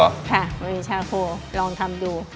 ค่ะบะหมี่ชาโคลองทำดู